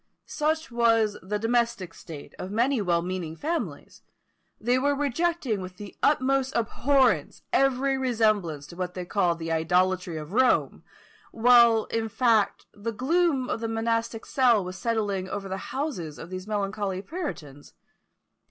Such was the domestic state of many well meaning families: they were rejecting with the utmost abhorrence every resemblance to what they called the idolatry of Rome, while, in fact, the gloom of the monastic cell was settling over the houses of these melancholy puritans.